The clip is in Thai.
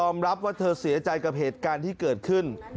รับว่าเธอเสียใจกับเหตุการณ์ที่เกิดขึ้น